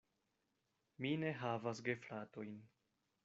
Mi ne havas gefratojn.